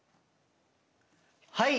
はい！